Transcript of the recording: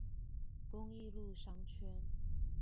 公益路商圈